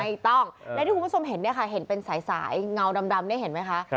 ถูกต้องและที่คุณผู้ชมเห็นเนี่ยค่ะเห็นเป็นสายเงาดำนี่เห็นไหมคะ